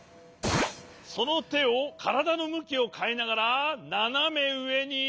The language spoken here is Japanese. そのてをからだのむきをかえながらななめうえにシャキーン！